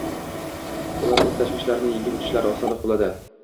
ular o‘z tashvishlarini yengib o‘tishlari osonroq bo‘ladi.